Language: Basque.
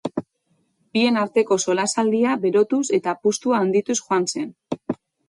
Bien arteko solasaldia berotuz eta apustua handituz joan zen.